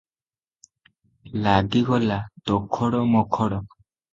ଲାଗିଗଲା ତୋଖଡ଼ ମୋଖଡ଼ ।